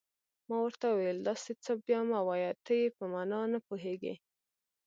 ما ورته وویل: داسې څه بیا مه وایه، ته یې په معنا نه پوهېږې.